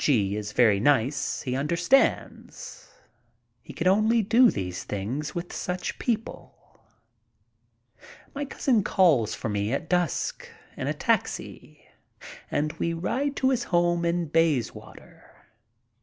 G. is very nice. He understands. You can only do these things with such people. My cousin calls for me at dusk in a taxi and we ride to his home in Bayswater.